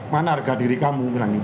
mana harga diri kamu